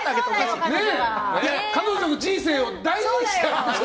彼女の人生を大事にして。